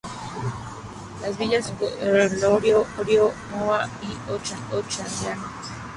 Las villas eran Durango, Elorrio, Ermua y Ochandiano.